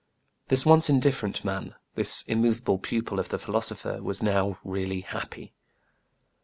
This once indifferent man, this immovable pupil of the philosopher, was now really happy.